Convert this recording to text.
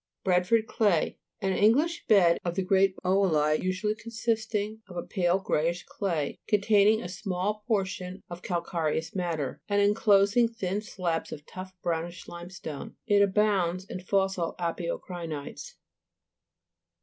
(Fig. 94, p. 61.) BRADFORD CLAY An English bed of the great o'olite, usually consist ing of a pale greyish clay, Contain ing a small proportion of calcareous matter, and inclosing thin slabs of tough brownish limestone. It abounds in fossil apiocrinites.